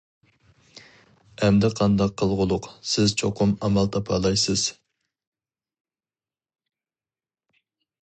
ئەمدى قانداق قىلغۇلۇق، سىز چوقۇم ئامال تاپالايسىز.